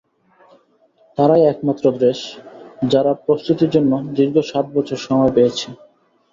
তারাই একমাত্র দেশ, যারা প্রস্তুতির জন্য দীর্ঘ সাত বছর সময় পেয়েছে।